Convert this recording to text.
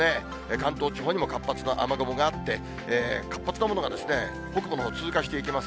関東地方にも活発な雨雲があって、活発なものが北部のほう、通過していきます。